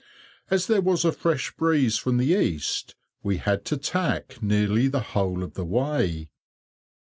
As there was a fresh breeze from the east, we had to tack nearly the whole of the way.